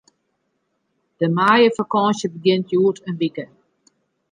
De maaiefakânsje begjint hjoed in wike.